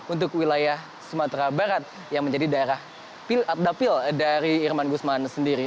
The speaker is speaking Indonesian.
untuk wilayah sumatera barat yang menjadi daerah dapil dari irman gusman sendiri